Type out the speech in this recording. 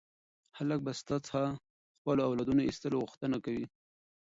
خلک به ستا څخه د خپلو اولادونو د ایستلو غوښتنه کوي.